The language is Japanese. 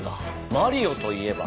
マリオといえば。